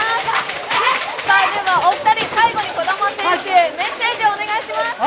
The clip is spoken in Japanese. お二人、最後に児玉選手にメッセージをお願いします。